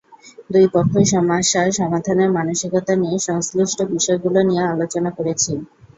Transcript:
দুই পক্ষই সমস্যা সমাধানের মানসিকতা নিয়ে সংশ্লিষ্ট বিষয়গুলো নিয়ে আলোচনা করেছি।